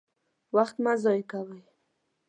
وخت مه ضايع کوئ!